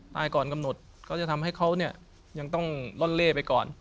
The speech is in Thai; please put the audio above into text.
ก่อนกำหนดเขาจะทำให้เขาเนี่ยยังต้องล่อนเล่ไปก่อน